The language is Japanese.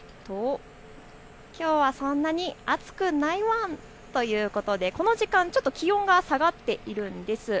きょうはそんなに暑くないワン！ということで、この時間ちょっと気温が下がっているんです。